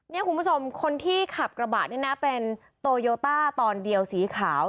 นี่คุณผู้ชมคนที่ขับกระบะนี่นะเป็นโตโยต้าตอนเดียวสีขาว